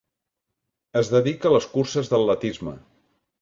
Es dedica a les curses d'atletisme.